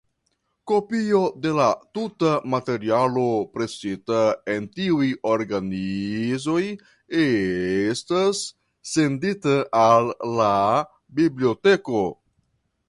Kopio de la tuta materialo presita en tiuj organizoj estas sendita al la biblioteko.